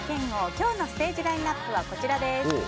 今日のステージラインアップはこちらです。